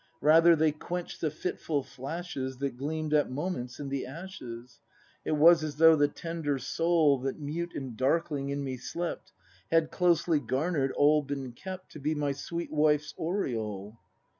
Rather they quench'd the fitful flashes That gleam'd at moments in the ashes. It was as though the tender Soul That mute and darkling in me slept. Had, closely garner'd, all been kept To be my sweet Wife's aureole.